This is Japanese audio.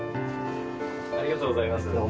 ありがとうございます。